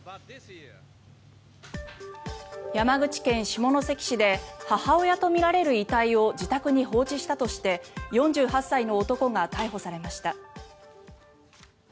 山口県下関市で母親とみられる遺体を自宅に放置したとして４８歳の男が逮捕されました。